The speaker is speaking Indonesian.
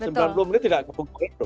sembilan puluh menit tidak ketemu itu